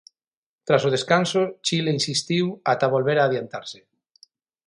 Tras o descanso, Chile insistiu ata volver adiantarse.